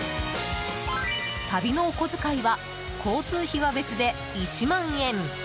旅のお小遣いは交通費は別で１万円。